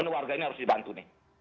warga ini harus dibantu nih